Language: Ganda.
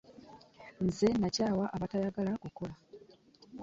Nze nakyawa abatayagala kukola.